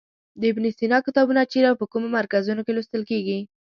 د ابن سینا کتابونه چیرې او په کومو مرکزونو کې لوستل کیږي.